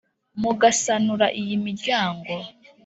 mugasanura iyi miryango